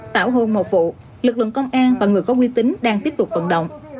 tảo hôn một vụ lực lượng công an và người có quy tính đang tiếp tục vận động